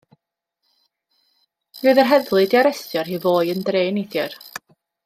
Mi oedd yr heddlu 'di arestio rhyw foi yn dre neithiwr.